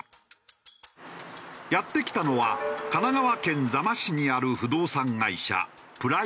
やって来たのは神奈川県座間市にある。